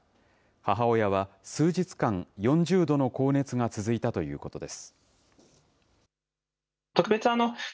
母親は数日間、４０度の高熱が続いたということです。